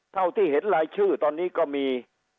เท่าที่เห็นรายชื่อตอนนี้ก็มี